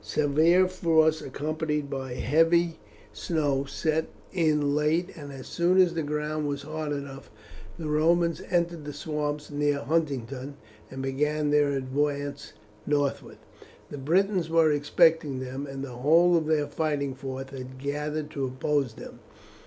Severe frost accompanied by heavy snow set in late, and as soon as the ground was hard enough the Romans entered the swamps near Huntingdon, and began their advance northwards. The Britons were expecting them, and the whole of their fighting force had gathered to oppose them.